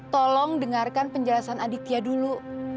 tolong dengarkan penjelasan aditya dulu